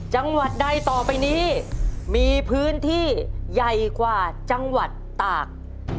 จังหวัดใดต่อไปนี้มีพื้นที่ใหญ่กว่าจังหวัดตาก